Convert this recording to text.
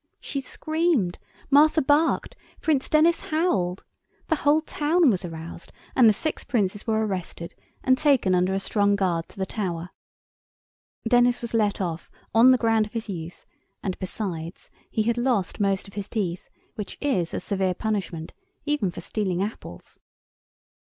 She screamed. Martha barked. Prince Denis howled. The whole town was aroused, and the six Princes were arrested, and taken under a strong guard to the Tower. Denis was let off, on the ground of his youth, and, besides, he had lost most of his teeth, which is a severe punishment, even for stealing apples.